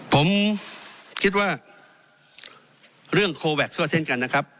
ผมคิดว่าเรื่องโคแวคซั่วเช่นกันนะครับ